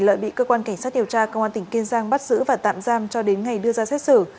lợi bị cơ quan cảnh sát điều tra công an tỉnh kiên giang bắt giữ và tạm giam cho đến ngày đưa ra xét xử